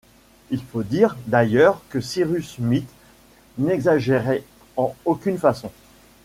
Il faut dire, d’ailleurs, que Cyrus Smith n’exagérait en aucune façon